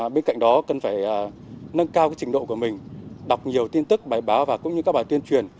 bên cạnh đó cần phải nâng cao trình độ của mình đọc nhiều tin tức bài báo và cũng như các bài tuyên truyền